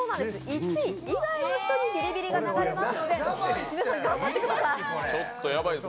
１位以外の人にビリビリが流れますので皆さん頑張ってください。